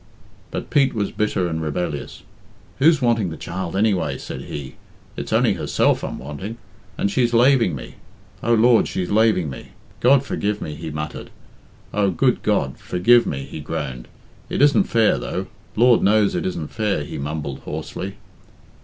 But Pete was bitter and rebellious. "Who's wanting the child anyway?" said he. "It's only herself I'm wanting; and she's laving me; O Lord, she's laving me. God forgive me!" he muttered. "O good God, forgive me!" he groaned: "It isn't fair, though. Lord knows it isn't fair," he mumbled hoarsely.